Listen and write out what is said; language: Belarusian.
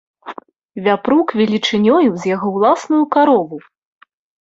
Вяпрук велічынёю з яго ўласную карову.